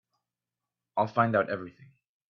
I'll find out everything.